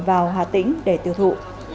vào hà tĩnh để tiêu thụ